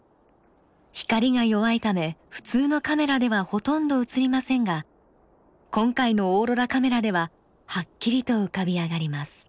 光が弱いため普通のカメラではほとんど映りませんが今回のオーロラカメラでははっきりと浮かび上がります。